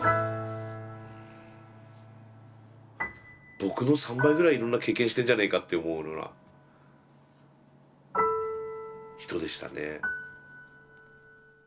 僕の３倍ぐらいいろんな経験してんじゃねえかって思うような人でしたね。